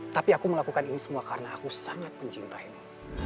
tapi aku melakukan ini semua karena aku sangat mencintaimu